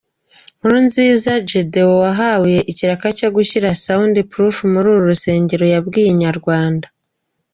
Nkurunziza Gedeon wahawe ikiraka cyo gushyira 'Sound proof' muri uru rusengero, yabwiye Inyarwanda.